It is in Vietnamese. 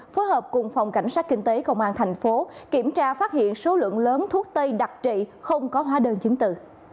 phối hợp cùng phòng cảnh sát kinh tế công an thành phố kiểm tra phát hiện số lượng lớn thuốc tây đặc trị không có hóa đơn chứng từ